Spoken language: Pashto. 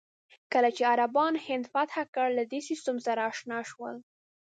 کله چې عربان هند فتح کړل، له دې سیستم سره اشنا شول.